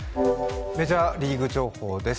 メジャーリーグ情報です。